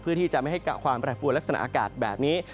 เพื่อที่จะไม่ให้ความแปรปวดลักษณะอากาศแบบนี้